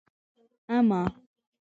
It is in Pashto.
اما